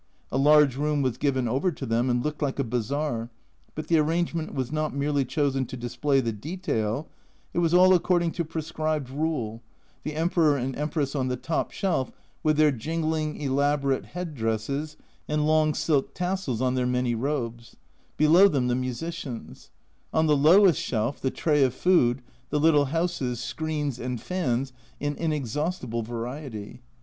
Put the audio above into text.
A large room was given over to them, and looked like a bazaar, but the arrangement was not merely chosen to display the detail, it was all according to prescribed rule A Journal from Japan in the Emperor and Empress on the top shelf, with their jingling elaborate head dresses and long silk tassels on their many robes ; below them the musicians ; on the lowest shelf the tray of food, the little houses, screens and fans in inexhaustible variety.